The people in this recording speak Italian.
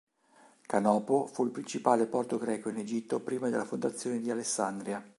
Canopo fu il principale porto greco in Egitto prima della fondazione di Alessandria.